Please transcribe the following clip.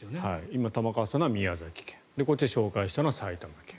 今、玉川さんのは宮崎県さっき紹介したのは埼玉県。